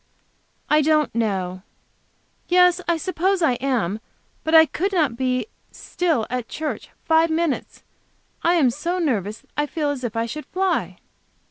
"I don't know. Yes. I suppose I am. But I could not be still at church five minutes. I am nervous that I feel as if I should fly."